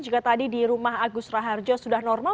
juga tadi di rumah agus raharjo sudah normal